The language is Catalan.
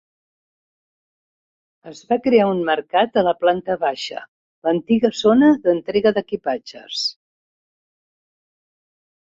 Es va crear un mercat a la planta baixa, l'antiga zona d'entrega d'equipatges.